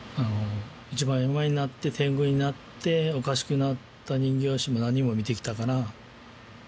一番山笠になっててんぐになっておかしくなった人形師も何人も見てきたから。